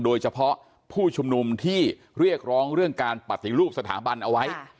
โดยเฉพาะผู้ชุมนุมที่เรียกร้องเรื่องการปฏิรูปสถาบันเอาไว้